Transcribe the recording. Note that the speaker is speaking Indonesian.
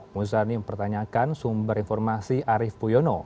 muzani mempertanyakan sumber informasi arief puyono